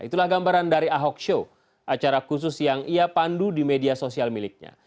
itulah gambaran dari ahok show acara khusus yang ia pandu di media sosial miliknya